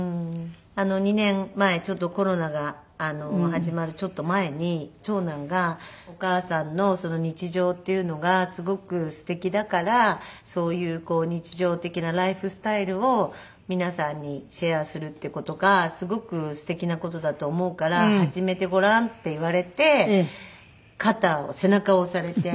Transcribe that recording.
２年前コロナが始まるちょっと前に長男が「お母さんの日常っていうのがすごくすてきだからそういう日常的なライフスタイルを皆さんにシェアするっていう事がすごくすてきな事だと思うから始めてごらん」って言われて肩を背中を押されて。